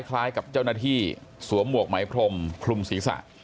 คล้ายกับเจ้าหน้าที่สวมหมวกไหมพรมคลุมศีรษะ